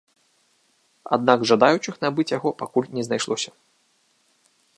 Аднак жадаючых набыць яго пакуль не знайшлося.